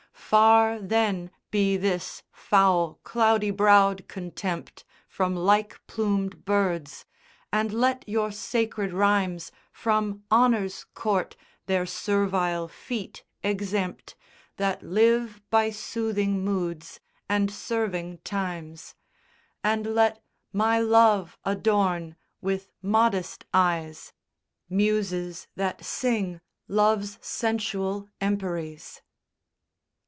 Far, then, be this foul cloudy brow'd contempt From like plumed birds: and let your sacred rhymes From honour's court their servile feet exempt, That live by soothing moods, and serving times: And let my love adorn with modest eyes, Muses that sing Love's sensual emperies.